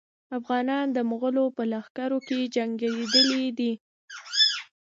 افغانان د مغولو په لښکرو کې جنګېدلي دي.